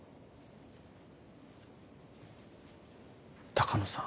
鷹野さん